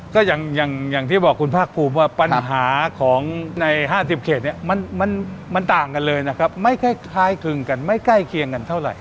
ก็อย่างที่บอกคุณภาคภูมิว่าปัญหาของใน๕๐เขตเนี่ยมันต่างกันเลยนะครับไม่คล้ายคลึงกันไม่ใกล้เคียงกันเท่าไหร